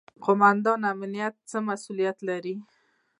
قوماندان امنیه څه مسوولیت لري؟